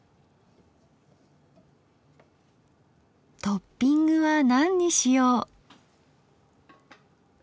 トッピングは何にしよう。